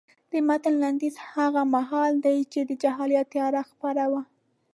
د متن لنډیز هغه مهال دی چې د جهالت تیاره خپره وه.